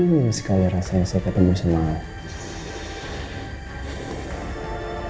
masih kaya rasanya saya ketemu semangat